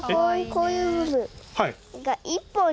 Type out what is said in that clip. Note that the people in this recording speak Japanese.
こういう部分が１本になってる。